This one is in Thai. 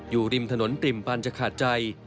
อยู่ริมถนนปริ่มปันจะขาดใจ